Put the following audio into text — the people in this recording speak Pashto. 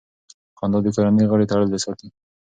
خندا د کورنۍ غړي تړلي ساتي.